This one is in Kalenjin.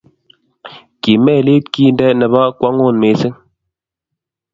ki melit kinde nebo kwong'ut mising